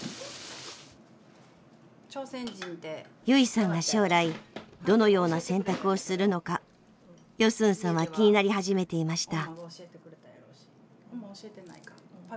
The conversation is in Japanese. ユイさんは将来どのような選択をするのかヨスンさんは気になり始めていました。